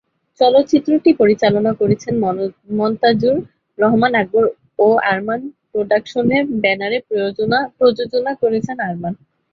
চলচ্চিত্রটি পরিচালনা করেছেন মনতাজুর রহমান আকবর ও আরমান প্রোডাকশনের ব্যানারে প্রযোজনা করেছেন আরমান।